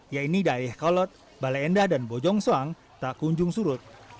yaitu dayakolot baleendah dan bojongsoang tidak kunjung surut